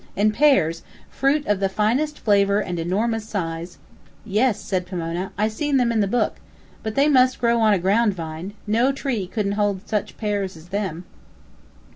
And pears fruit of the finest flavor and enormous size " "Yes," said Pomona. "I seen them in the book. But they must grow on a ground vine. No tree couldn't hold such pears as them."